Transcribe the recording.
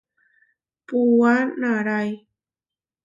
Puúa naʼrái.